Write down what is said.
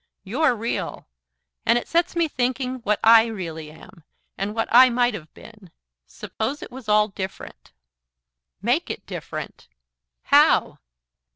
"You're real. And it sets me thinking what I really am, and what I might have been. Suppose it was all different " "MAKE it different." "How?"